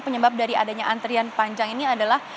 penyebab dari adanya antrian panjang ini adalah